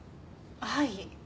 はい。